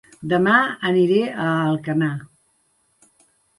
Dema aniré a Alcanar